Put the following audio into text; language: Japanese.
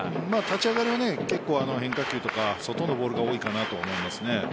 立ち上がりは結構変化球とか外のボールが多いかなと思います。